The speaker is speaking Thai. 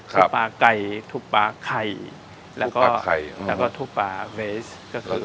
ค่ะทุปป้าไก่ทุปป้าไข่ไข่แล้วก็ทุปป้าเวสก็คือ